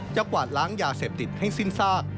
กวาดล้างยาเสพติดให้สิ้นซาก